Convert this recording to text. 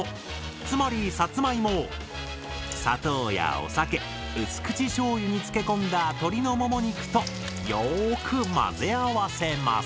つまりさつまいもを砂糖やお酒薄口しょうゆに漬け込んだ鶏のもも肉とよく混ぜ合わせます。